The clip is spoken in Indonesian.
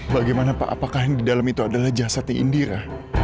bagaimana pak apakah yang di dalam itu adalah jasati indira